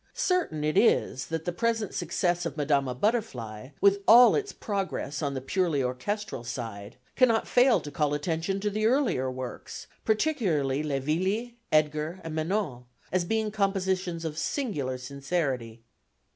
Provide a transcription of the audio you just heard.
Certain it is, that the present success of Madama Butterfly, with all its progress on the purely orchestral side, cannot fail to call attention to the earlier works, particularly Le Villi, Edgar and Manon, as being compositions of singular sincerity.